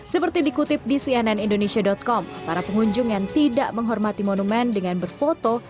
seperti dikutip di cnnindonesia com para pengunjung yang tidak menghormati monumen dengan berfoto